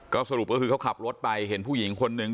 ก็สรุปก็คือเขาขับรถไปเห็นผู้หญิงคนนึง